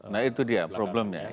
nah itu dia problemnya